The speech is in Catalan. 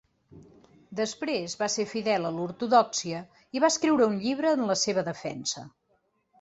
Després va ser fidel a l'ortodòxia i va escriure un llibre en la seva defensa.